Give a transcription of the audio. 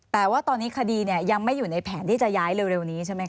แต่ว่าตอนนี้คดียังไม่อยู่ในแผนที่จะย้ายเร็วนี้ใช่ไหมค